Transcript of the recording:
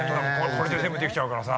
これで全部できちゃうからさ。